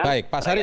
baik pak sarif